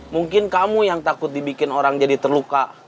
mungkin kamu yang takut dibikin orang jadi terluka